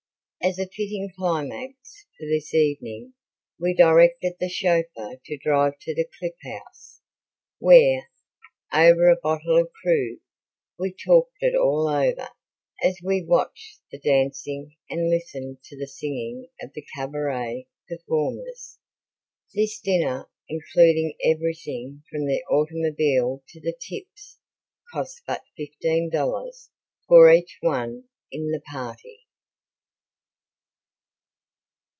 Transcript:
As a fitting climax for this evening we directed the chauffeur to drive to the Cliff House, where, over a bottle of Krug, we talked it all over as we watched the dancing and listened to the singing of the cabaret performers. This dinner, including everything from the automobile to the tips cost but fifteen dollars for each one in the party.